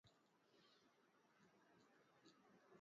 Vipele vingi na kuvimba sehemu ya mbele ya kidari